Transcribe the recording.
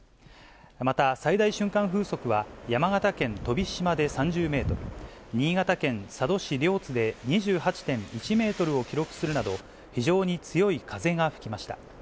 また最大瞬間風速は、山形県飛島で３０メートル、新潟県佐渡市両津で２８．１メートルを記録するなど、非常に強い風が吹きました。